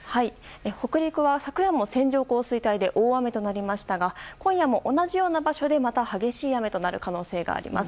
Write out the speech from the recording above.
北陸は昨夜も線状降水帯で大雨となりましたが今夜も同じような場所でまた激しい雨となる可能性があります。